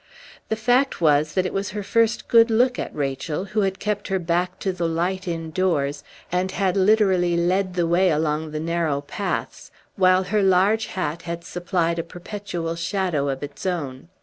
The fact was that it was her first good look at Rachel, who had kept her back to the light indoors, and had literally led the way along the narrow paths, while her large hat had supplied a perpetual shadow of its own.